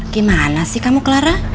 gimana sih kamu clara